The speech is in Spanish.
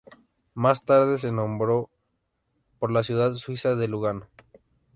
Más tarde se nombró por la ciudad suiza de Lugano.